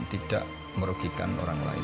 tidak merugikan orang lain